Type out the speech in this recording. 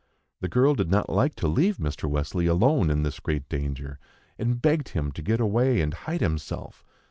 The girl did not like to leave Mr. Wesley alone in this great danger, and begged him to get away and hide himself.